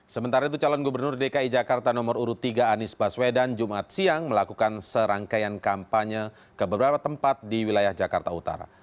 sementara itu calon gubernur dki jakarta nomor urut tiga anies baswedan jumat siang melakukan serangkaian kampanye ke beberapa tempat di wilayah jakarta utara